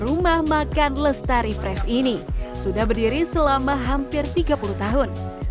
rumah makan lestari fresh ini sudah berdiri selama hampir tiga puluh tahun